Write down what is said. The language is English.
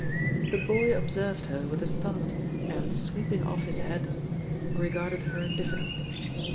The boy observed her with a start, and sweeping off his hat, regarded her dif fidently.